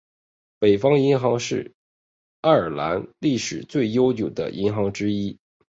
北方银行是爱尔兰历史最悠久的银行之一。